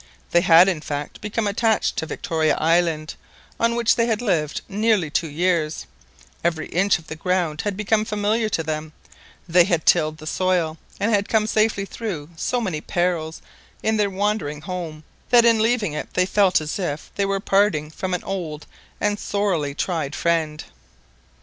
They had, in fact, become attached to Victoria Island, on which they had lived nearly two years; every inch of the ground had become familiar to them; they had tilled the soil, and had come safely through so many perils in their wandering home, that in leaving it they felt as if they were parting from an old and sorely tried friend.